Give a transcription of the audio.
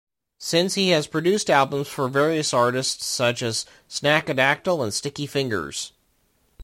Since he has produced albums for various artists such as Snakadaktal and Sticky Fingers.